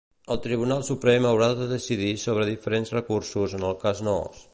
El Tribunal Suprem haurà de decidir sobre diferents recursos en el cas Nóos.